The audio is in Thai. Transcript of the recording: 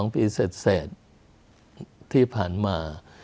๒ปีเสร็จที่ผ่านมา